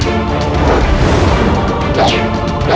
jurus membelah raga